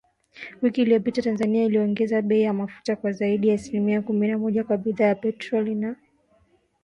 Wiki iliyopita, Tanzania iliongeza bei ya mafuta kwa zaidi ya asilimia kumi na moja kwa bidhaa ya petroli na dizeli, na asilimia ishirini na moja